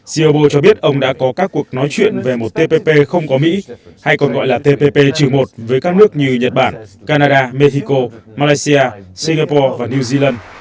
coopo cho biết ông đã có các cuộc nói chuyện về một tpp không có mỹ hay còn gọi là tpp trừ một với các nước như nhật bản canada mexico malaysia singapore và new zealand